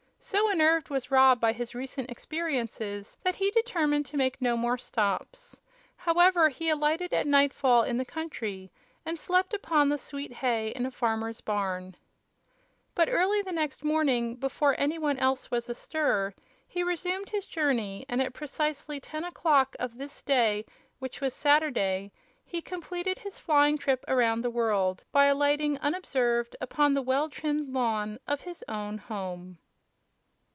So unnerved was Rob by his recent experiences that he determined to make no more stops. However, he alighted at nightfall in the country, and slept upon the sweet hay in a farmer's barn. But, early the next morning, before any one else was astir, he resumed his journey, and at precisely ten o'clock of this day, which was Saturday, he completed his flying trip around the world by alighting unobserved upon the well trimmed lawn of his own home.